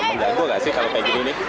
menjago gak sih kalau kayak gini